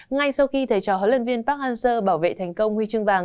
ngay sau khi thầy trò huấn luyện viên park hang seo bảo vệ thành công huy chương vàng